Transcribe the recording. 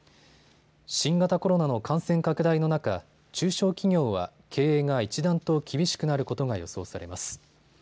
新型コロナの感染拡大の中、中小企業は経営が一段と厳しくなることが予想されます。